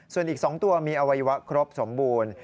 ส่วนอีก๒ตัวมีอวัยวะครบสมบูรณ์